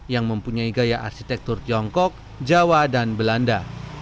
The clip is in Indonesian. yang mempunyai gaya arsitektur tiongkok jawa dan belanda